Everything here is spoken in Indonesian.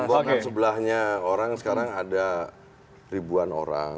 lombok kan sebelahnya orang sekarang ada ribuan orang